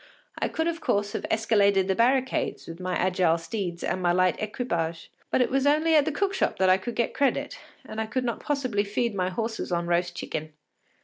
I could of course have escaladed the barricades with my agile steeds and my light equipage, but it was only at the cook shop that I could get credit, and I could not possibly feed my horses on roast chicken.